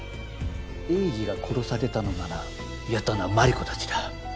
栄治が殺されたのならやったのは真梨子たちだ。